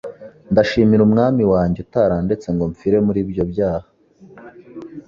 Ndashimira Umwami wanjye utarandetse ngo mpfire muri ibyo byaha.